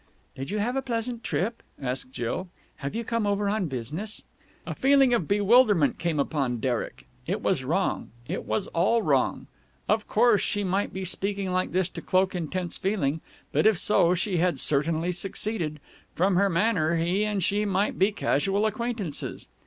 "Did you have a pleasant trip?" asked Jill. "Have you come over on business?" A feeling of bewilderment came upon Derek. It was wrong, it was all wrong. Of course, she might be speaking like this to cloak intense feeling, but, if so, she had certainly succeeded. From her manner, he and she might be casual acquaintances.